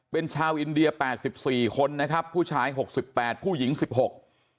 เป็นชาวอินเดียแปดสิบสี่คนนะครับผู้ชายหกสิบแปดผู้หญิงสิบหก